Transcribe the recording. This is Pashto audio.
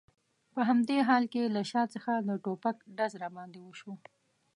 په همدې حال کې له شا څخه د ټوپک ډز را باندې وشو.